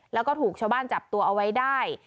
แล้วก็ถูกชาวบ้านจับตัวเอาไว้ได้